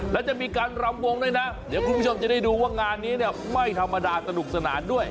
แล้วจะมีการรำวงด้วยนะเดี๋ยวคุณผู้ชมจะได้ดูว่างานนี้เนี่ยไม่ธรรมดาสนุกสนานด้วย